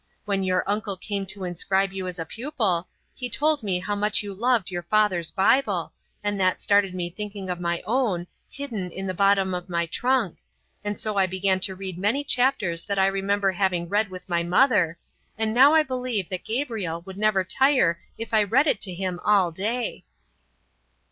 When your uncle came to inscribe you as a pupil, he told me how much you loved your father's Bible, and that started me thinking of my own, hidden in the bottom of my trunk, and so I began to read many chapters that I remember having read with my mother, and now I believe that Gabriel would never tire if I read it to him all day."